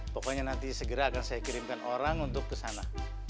pokoknya nanti segera akan saya kirimkan orang untuk ke sana